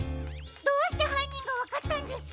どうしてはんにんがわかったんですか？